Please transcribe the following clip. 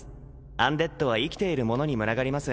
アンデッドは生きている者に群がります